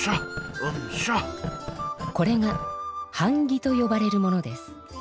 これがはん木とよばれるものです。